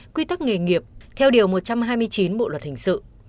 quy tắc nghề nghiệp theo điều một trăm hai mươi chín bộ luật hình sự